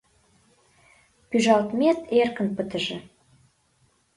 — Пӱжалтмет эркын пытыже.